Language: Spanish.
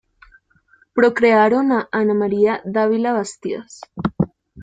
Procrearon a Ana María Dávila Bastidas.